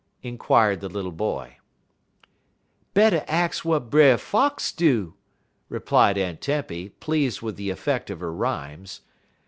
inquired the little boy. "Better ax w'at Brer Fox do," replied Aunt Tempy, pleased with the effect of her rhymes.